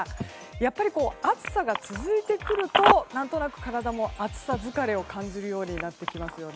やっぱり、暑さが続いてくると何となく体も暑さ疲れを感じるようになってきますね。